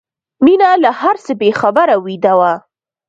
مينه له هر څه بې خبره ویده وه